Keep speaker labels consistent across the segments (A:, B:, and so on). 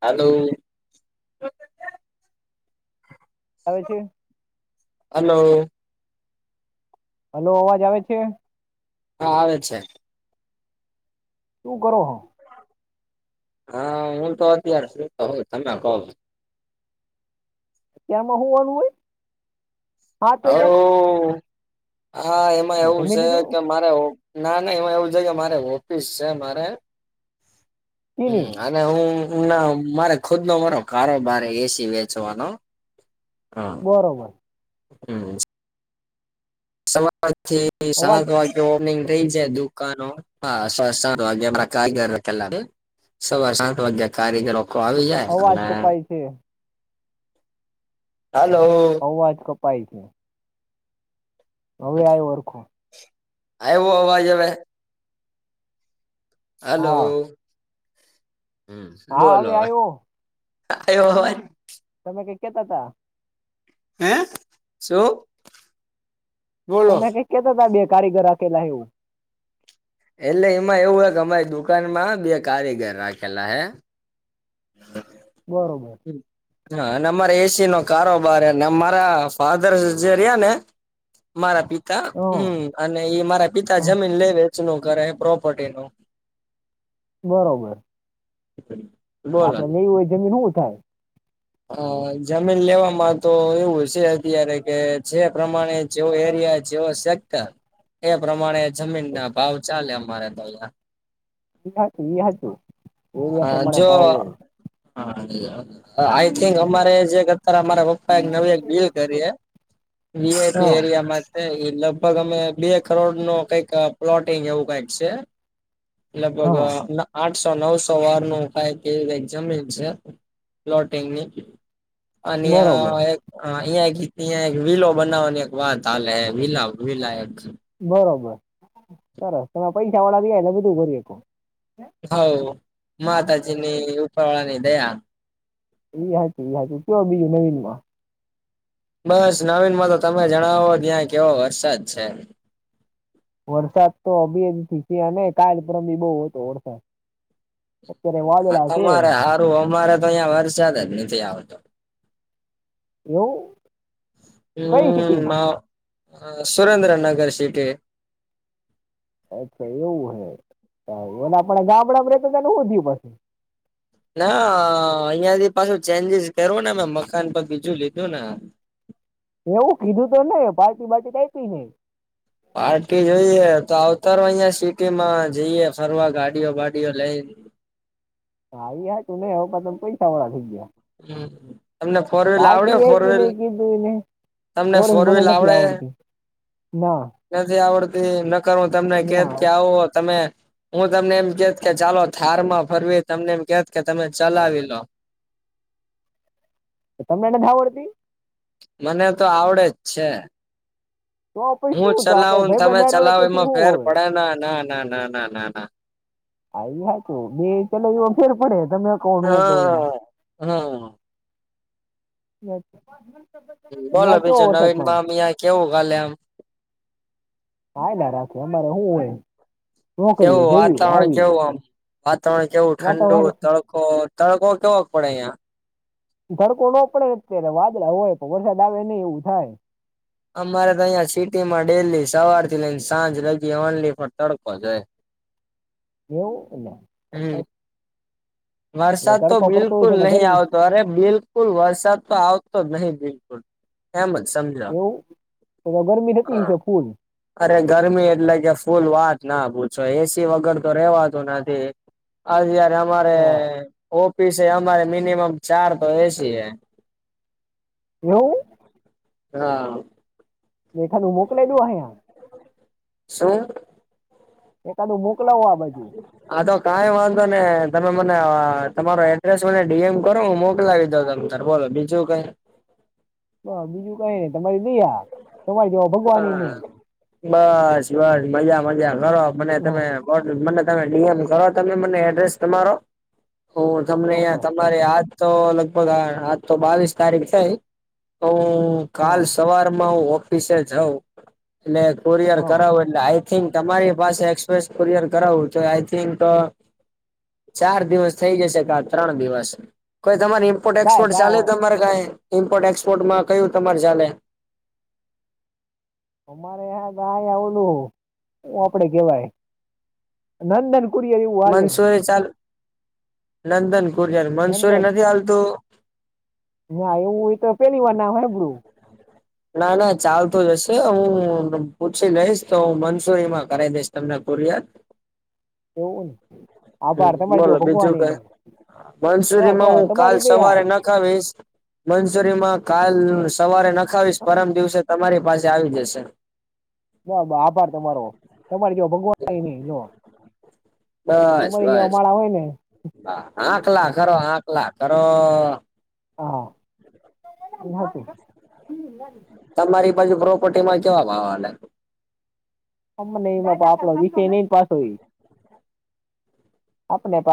A: હાલો [inaudible]
B: આવે છે.
A: Hello.
B: Hello અવાજ આવે છે?
A: હા આવે છે.
B: શું કરો હો?
A: હા હું તો સંતો હો તમે કો
B: કેમા હુંવાનું હોય હાત વાગ્યામાં
A: આ એમાં
B: એટલે
A: એવું
B: જમી
A: છે
B: લીધું
A: કે મારે ના નાઈ એમા એવું છે કે મારે ઓફિસ છે મારે હમ
B: ચીની
A: અને હું મારે ખુદ નો મારો કારોબાર એસી વેચવાનો હા
B: બરોબર.
A: હમ. સવારથી
B: અવાજ
A: સાત વાગ્યા [unintelligible] સવા સાત વાગ્યા કારીગર લોકો આવી જાય.
B: અવાજ
A: અને
B: કપાય છે
A: હાલો.
B: અવાજ કપાય છે અવે આયો હરખો
A: આયવો અવાજ અવે? હલો.
B: હા
A: હમ
B: હા
A: બોલો હવે
B: આવ્યો
A: આયવો અવાજ?
B: તમે કંઇક કહેતાતા
A: હેં શું? બોલો
B: તમે કઈ કેતા હતા બે કારીગર હાથે લાયવુ એવું.
A: એટલે એમાં એવું હો કે અમારી દુકાનમાં બે કારીગર રાખેલા હે હ
B: બરોબર.
A: હા અને અમારા એસી નો કારોબાર હે અને અમારા ફાધર જે રહ્યા ને મારા પિતા
B: હં,
A: હમ અને એ મારા પિતા
B: હં,
A: જમીન લે વેચનું કરે પ્રોપર્ટી નું.
B: બરોબર.
A: બોલો
B: આપડે નઈ હોય જમીન હુ થાય?
A: હ જમીન લેવામાં તો એવું હશે. અત્યારે કે જે પ્રમાણે જેવો એરિયા જેવો સેક્ટર એ પ્રમાણે જમીન ના ભાવ ચાલે અમારે તો અહં
B: એ હતું એરિયા
A: અહિયાં
B: પ્રમાણે
A: જો
B: ભાવ હોય
A: હા આઈ થિક અમારે જે અત્યારે અમારા પપ્પા એક નવી એક ડીલ કરી હ વીઆઈપી
B: હા
A: એરિયામાં એ લગભગ અમે બે કરોડ નો કઈક પ્લોટિંગ એવું કઈક છે. લગભગ
B: હા
A: આઠસો, નવસો સવાર નખાય કેક્ઝમ્ટંગની અને
B: બરોબર
A: આ હ અહિયાં એક તં એક વીલો બનાવવાની એક વાત ચાલે વિીલા વીલા એક
B: બરોબર સરસ તમે પૈસા વાળા ગ ને બધું કરીરીએકો
A: હ માતાજીની ઉફાળાની દયા
B: ઈ હજું ઈ હત કયો બીજું નવીન માં
A: બસ નવીનમાં તો તમે જણાવો ત્યાં કેવો વરસાદ છે
B: વરસાદ તો અભી જ ગયા ને કાલ પ્રમી બહ હતો વરસાદ અત્યારે
A: હા
B: વાદળા છે
A: તમારે સારું અમારે તો અહં વરસા્યાદ જ નથી આવતો
B: એવું કઈ
A: હમ
B: સિટીમાં
A: મા સુરેન્દ્રનગર સિટી
B: અચ્છા એવું હેને આપડ ગામડા રેતોધયું પછી
A: ના અહિયાયાથી પાછું ચેન્જીસ કરું ને મે મકાન પર બીજું લીધું ને
B: એવું કીધું તો ને પાર્ટી મા આપી ને
A: પાર્ટી જોઈએ તો આવતાર અહિયાં સિટી માં જઈએ ફરવા ગાડીઓ વાડીઓ લઈને
B: આવીયા તું નઈ હ તમે પૈસા વાળડા થઈ ગયા
A: હમ તમને ફોર વ્હીલ આવડે
B: પાર્ટી
A: ફોર
B: એી ન
A: વ્હીલ
B: કીધું એને
A: તમને
B: ફોરન
A: ફોર
B: મને
A: વ્હીલ
B: નથી
A: આવડે
B: આવડતી ના
A: નથી આવડતી ન કરરું તમને કે કે
B: ના
A: આવો તમે હું તમને એમ કેત કે ચાલો થાર માં ફરવી તમને એમ કેત કે તમે ચલાવી લો
B: તો તમનેને ધાાવડતી
A: મને તો આવડે જ છે
B: તો પછી
A: હું
B: શું તો આપણે
A: ચલાવું
B: ભાઈ
A: તમે
B: બંધારે હોય
A: ચલાવો
B: પછી
A: એમાં
B: શું
A: ફેર
B: હવે
A: પડે ના ના ના ના ના ના ના
B: હ હ હતું બે ચલા એ ફેર પડે તમે કોણ કહમાં
A: હા
B: બ
A: બોલો બીજું નવીન માં અમ અહં કેવું કાલે આમ
B: હા ના રાખે અમારે શું હોય નોકરીએ
A: કેવું
B: જેવી
A: વાતાવરણ
B: આવી
A: કેવું આમ વાતાવરણ કેવું ઠંડુ
B: વાતાવરણ
A: તડ તડકો કેવા પડે ં
B: ધડકો નો પડે અત્યારે વાદળ હોય પણ વરસાદ આવે નહી એવું થાય
A: અમારે તો અહિયાં સિટી માં ડેલી સવાર થી લઈને સાંજ લગી ઓનલી પણ તડકો જો
B: એનેવ એ
A: હમ વરસાદ તો
B: તડકો પડતો હોય
A: બિલકુલ
B: છે ને
A: નહીિ
B: ગરમી
A: આવતો અરે બિલકુલ વરસાદ તો આવતો જ નહીિ બિલકુલ અહેમદ સમજા
B: એવું તો ગરમી થતી
A: હા
B: હશે ફૂલ
A: અરે ગરમી એટલે કે ફૂલ વાત ના પૂછો એસી વગર તો રેવાતું નથી અતયારે અમારે,
B: હા.
A: ઓફિસ અમારે મિનિમમ ચાર તો એ સી હે.
B: એવું?
A: હા.
B: બેઠાનું મોકલા દઉ અહિયાં.
A: શું?
B: એકાદુ મોકલાવો આ બાજું.
A: હા તો કાંઈ વાંધો નહીં, તમે મને અહ તમારો એડ્રેસ મને ડી એમ કરો હું મોકલાવી દઉં તમ તારે. બોલો બીજું કાંઈ?
B: બહ બીજું કાઈ નહીં, તમારી દયા, તમારી જેવા
A: બસ-બસ-બસ મજા-મજા કરો, મને
B: હા,
A: તમે [unintelligible] મને તમે ડી એમ કરો તમે મને એડ્રેસ તમારો. હું તમને
B: ચોક્કસ
A: તમારે
B: ચોક્કસ
A: આજ તો લગભગ આ આજ તો બાવીસ તારીખ થઈ, તો હું હું કાલ
B: હા
A: સવારમાં હું ઓફિસે જાઉં, એટલે કુરિયર
B: હા
A: કરાવું એટ એટલે આઈ થિંક તમારી પાસે એક્સપ્રેસ કુરિયર કરાવું તોય આઈ થિંક અહ ચાર દિવસ થઈ જશે કા ત્રણ દિવસ. કોઈ તમારી ઈમ્પોર્ટ
B: કાંઈ
A: એક્સપોર્ટ
B: કાંઈ
A: ચાલે
B: વા-
A: તમારે કાંઈ, ઇમ્પોર્ટ એક્સપોર્ટમાં કયું તમારે ચાલે?
B: અમારે અહિયાં તો અહિયાં ઓલું, હું આપડે કહેવાય! નંદન કુરિયર એવું હાલે
A: મન્સુરી ચાલ, નંદન કુરિયર, મન્સુરી
B: નંદન
A: નથી હાલતું?
B: ના એવું ઈ તો પહેલી વાર નામ હાંઈભળું.
A: ના, ના ચાલતું જ હશે, હું પૂછી લઈશ તો હું મન્સુરીમાં કરાઈ દઈશ તમને કુરિયર.
B: એવું?
A: હમ્મ.
B: આભાર તમારે જો
A: બોલો
B: ભગવાન
A: બીજું
B: એ
A: કાંઈ?
B: નહીં તો બ
A: મન્સુરીમાં હું કાલ
B: તમારી
A: સવારે
B: દયા
A: નખ ખાવીશ, મન્સુરીમાં કાલ સવારે નખાવીશ, પરમ દિવસે તમારી પાસે આવી જશે.
B: [unintelligible] આભાર તમારો. તમારી જેવો ભગવાન એય નહીં [unintelligible] તમારી જેવા માણા હોય ને
A: આંખલા કરો, આંખલા કરો.
B: હા. [unintelligible]
A: તમારી બાજું પ્રોપર્ટી માં કેવા ભાવ હાલે?
B: અમનેય ન [unintelligible] પણ આપણો વિષય નહીં ને પાસો ઈ. આપને [unintelligible]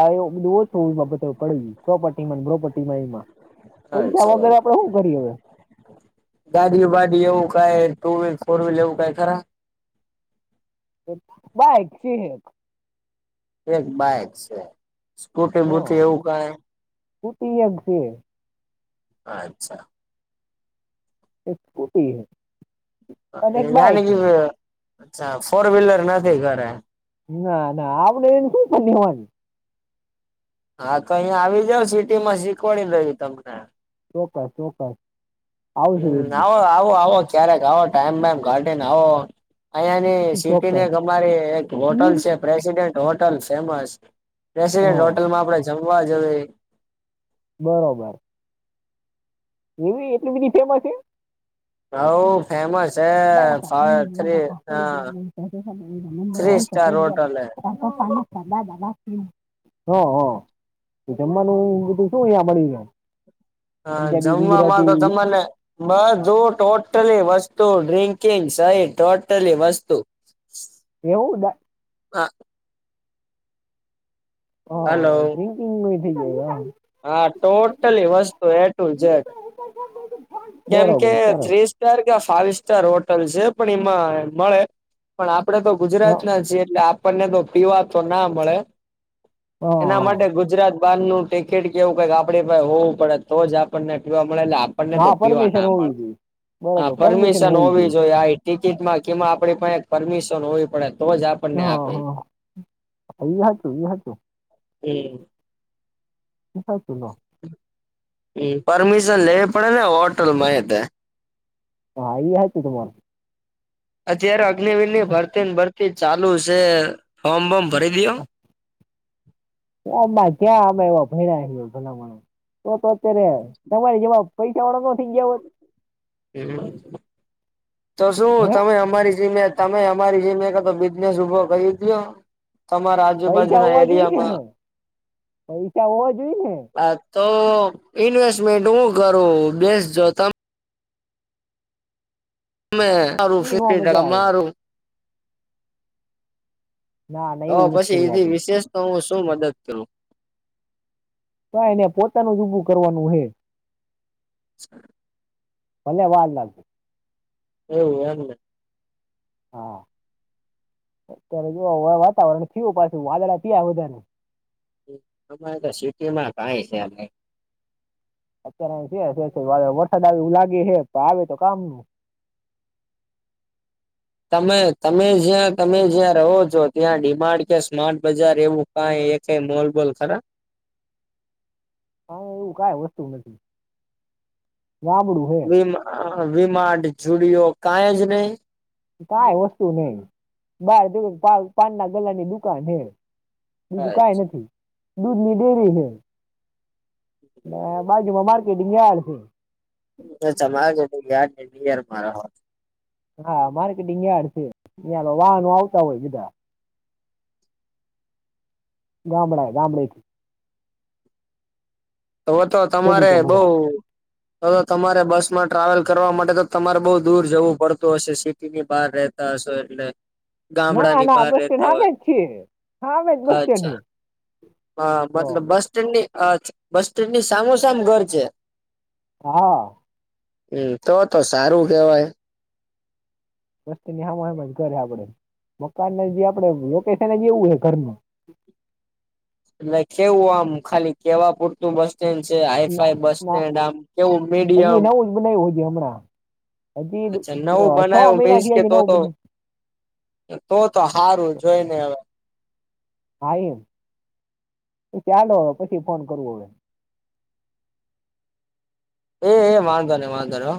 B: પ્રોપર્ટી ને બ્રોપર્ટી માં એમા. પૈસા વગર આપણે હું કરીએ હવે?
A: ગાડી વાડી એવું કાંઈ, ટુ વ્હીલ, ફોર વ્હીલ એવું કાંઈ ખરા?
B: બાઈક સે.
A: એક બાઈક સે. સ્કૂટી
B: હા
A: બુટી એવું કાંઈ?
B: સ્કૂટી એક સે.
A: અચ્છા.
B: એક સ્કૂટી હે..
A: [unintelligible] અચ્છા, ફોર વ્હીલર નથી ઘરે.
B: ના, ના. આપડે એને શું [unintelligible]
A: હા તો અહિયાં આવી જાવ સિટી માં, શીખવાડી લેઈ તમને.
B: ચોક્કસ-ચોક્કસ.
A: હમ્મ. આવો-આવો-આવો ક્યારેક આવો ટાઈમ બાઈમ કાઢીને આવો. અહિયાંની સિટી
B: ચોક્કસ
A: ની એક અમારી એક હોટલ
B: નીર
A: છે પ્રેસિડેન્ટ હોટલ ફેમસ. રેસિડન્ટ
B: હા
A: હોટલમાં આપડે જમવા જવી.
B: બરોબર. એવી એટલી બધી ફેમસ હે?
A: હોવ ફેમસ હે, ફા થ્રી અહ થ્રી સ ટાર ચાર હોટલ હે.
B: [unintelligible] હ હ જમવાનું બધું હુ અહિયાં મળી જાય
A: હ
B: પંજાબી
A: જમવાવામાં તો
B: ગુજરાતી
A: તમને બધુ ટોટલી વસ્તુ ડ્રિંકિંગ સહિત ટોટલી વસ્તુ
B: એવું
A: હા
B: હા
A: હલો
B: ડ્રિકિંગ ન થઇ ગયું હ
A: હા ટોટલી વસ્તુ એ ટુ જેડ કેમ કે
B: બરોબર સરસ
A: થ્રી અત્યારે કે આ ફાઈવ સ્ટાર હોટલ છે પણ એમાં મળે પણ આપડે તો ગુજરાત
B: હા
A: ના છીએ એટલે આપણને તો પીવા તો ના મળે એના
B: હા
A: માટે ગુજરાત બાર નું ટિકિટ કેવું કઈક આપડે ભ હોવું પડે તો જ આપણને પીવા મળે આપને તો
B: હા
A: પીવા
B: પરમિશન
A: ના
B: હોવી
A: મળે
B: જોઈએ
A: હ
B: બરોબર
A: પરમિશન હોવી જોઈએ આ ટિકિટમાં કેમાં આપે ક પરમિશન હોવી પડે તો જ આપણને આપે
B: ઈ હાચુ ઈ હાચુ
A: એમ
B: [unintelligible]
A: હમ પરમિશન લેવી પડે ને હોટલમાં એ તે
B: હા એ આતુ ત તમામર
A: અત્યારે અગ્નિિવર ની ભરતી ભરતી ચાલુ છે ફોમ બોમ ભરી દયો
B: માં જ્યાં અમે એવા ભ ઘણાણ તો અત્યારે તમારે જેમાં પૈસાવાળો નથી ગયા હોય
A: હ તો શું
B: હે
A: તમે અમારી જેમ્યા તમે અમારી જે મે ક બિઝનેસ ઉભો કરીયો તમારા
B: પૈસા
A: આજુબાજુના
B: હોવા જોઈએ ને પૈસા હોવા જોઈએ ને
A: એરિયામાં તો ઈન્વેસ્ટમેન્ટ હું કરું બેસજો તમે
B: ઈ નો
A: ફિફ્ટી ટકા
B: મજા આવે
A: મારું
B: ના ના
A: હ
B: એવું નથી
A: પછી
B: કરવું
A: એધ
B: આપણે
A: વિશેષ તો હું શું મદદ કરું
B: તો એને પોતાનું જ ઉઊભું કરવાનું હોે
A: [inaudible]
B: ભલે વાર લાગતી
A: એવું એમ ને
B: હા અત્યારે જો વાતાવરણ થયું પાછું વાદળા થયા વધા
A: અમારે તો સિટી માં કાય છે નઈ
B: અત્યારે છે વરસાદ આવે એવું લાગે હે પણ આવે તો કામ
A: તમે તમે જ્યાં તમે જ્યાં રહો છો ત્યાં ડિમાન્ડ કે સ્માર્ટ બજાર એવું ક એક મોલ બોલ ખરા
B: હા એવું કઈ હોતું નથી ગામડું છે
A: વી માર્ટ જુડિયો કાઈ જ નહીિ
B: કઈ વસ્તુ નહ બહાર જે પાન ના ગલાની દુકાન હે બીજું કઈ
A: અચ્છા
B: નથી દૂધની ડેરી છે મે બા જુમાં માર્કેટિંગ યાર્ડ છે
A: અચ્છા માર્કેટિંગ યાર્ડ રો હો
B: હા માર્કેટિંગ યાર્ડ છે અં વાહનો આવતા હોય બધા ગામડા ગામડાથી
A: તો તો તમારે
B: ખેડૂતો
A: બઉ
B: બધા
A: તમારે બસ માં ટ્રાવેલ કરવા માટે તો તમારે બઉુ દૂર જવું પડતું હશે સિટી ની બહાર રતા હશો એટલે
B: ના
A: ગામડાની
B: ના
A: બહાર
B: બસ સ્ટેન્ડ
A: રહેતા
B: હામે
A: હોય
B: છીએ હ જ બસડની
A: હ મતલબ બસ સ્ટેન્ડ ની અ બસ સ્ટેન્ડ ની સામોસામ ઘર છે
B: હ
A: હમ તો તો સારું કેવાય
B: વસ્તીની હમ [unintelligible] આપડે મકાન જે આપડે લોકેશન [unintelligible]
A: [unintelligible] આમ ખાલી કેવા પૂરતું બસ તેન છે આ
B: ના
A: એફાઈ બસ સ્ટેન્ડ આમ કેવું મીડિયમ
B: બનાવ હમણાં હજી
A: અચ્છા નવું
B: છ
A: બનાવ્યું
B: મહિના
A: મીન્સ
B: થી
A: કે
B: હજ
A: તો
B: નવું
A: તો
B: બને.
A: તો તો હારું જોઈ ને
B: હારૂ ચાલ હવે પછી ફોન કરૂ હવે.
A: એ એ વાંધો ની વાંધો ની હ